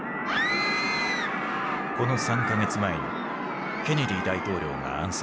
この３か月前にケネディ大統領が暗殺されていた。